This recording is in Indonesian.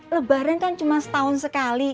lebaran kan cuma setahun sekali